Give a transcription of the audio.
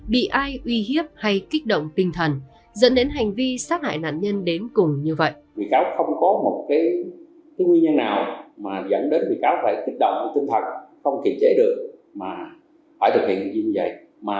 bị ai uy hiếp hay kích động tinh thần dẫn đến hành vi sát hại nạn nhân đến cùng như vậy